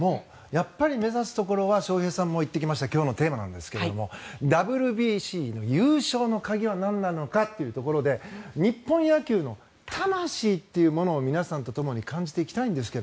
やっぱり目指すところは翔平さんも言っていました今日のテーマですがＷＢＣ優勝の鍵は何なのかというところで日本野球の魂というものを皆さんと共に感じていきたいんですが。